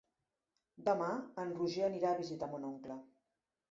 Demà en Roger anirà a visitar mon oncle.